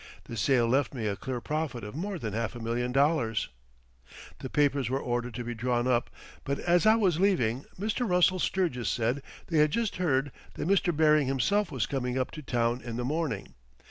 The sale left me a clear profit of more than half a million dollars. The papers were ordered to be drawn up, but as I was leaving Mr. Russell Sturgis said they had just heard that Mr. Baring himself was coming up to town in the morning.